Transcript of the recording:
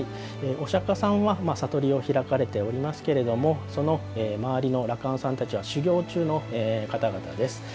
御釈迦さんは悟りを開かれておりますけど周りの羅漢さんたちは修行中の方たちです。